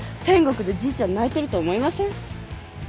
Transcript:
天国でじいちゃん泣いてると思いません？